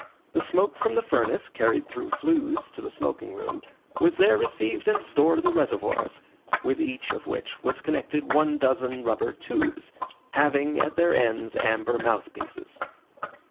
The smoke from the furnace, carried through flues to the smoking room, was there received and stored in the reservoirs, with each of which was connected one dozen rubber tubes, having at their ends amber mouth pieces.